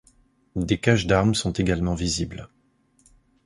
Des caches d'armes sont également visibles.